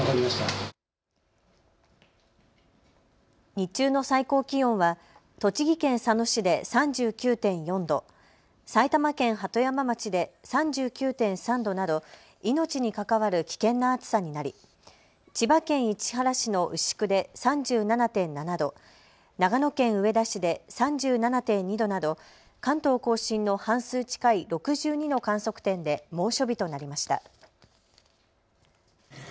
日中の最高気温は栃木県佐野市で３９．４度、埼玉県鳩山町で３９．３度など命に関わる危険な暑さになり千葉県市原市の牛久で３７．７度、長野県上田市で３７．２度など関東甲信の半数近い６２の観測点で猛暑日となりました。